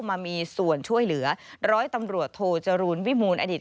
มามีส่วนช่วยเหลือร้อยตำรวจโทจรูลวิมูลอดีต